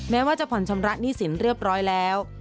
แม้ว่าจะผ่อนชำระหนี้สินเรียบร้อยแล้ว